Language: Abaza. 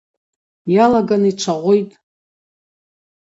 Йалаган йчвагъвитӏ.